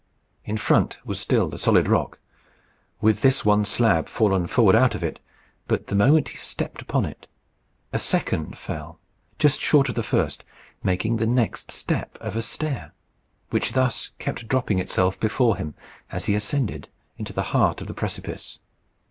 In front was still the solid rock, with this one slab fallen forward out of it. But the moment he stepped upon it, a second fell, just short of the edge of the first, making the next step of a stair, which thus kept dropping itself before him as he ascended into the heart of the precipice.